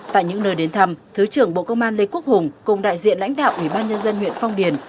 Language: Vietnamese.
tại những nơi đến thăm thứ trưởng bộ công an lê quốc hùng cùng đại diện lãnh đạo ủy ban nhân dân huyện phong điền